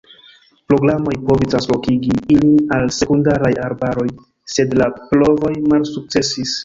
Programoj provis translokigi ilin al sekundaraj arbaroj, sed la provoj malsukcesis.